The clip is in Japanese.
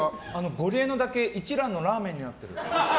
ゴリエのだけ一蘭のラーメンになってる。